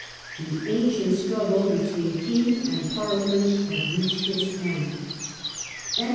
The ancient struggle between king and parliament had reached its end. INDEX.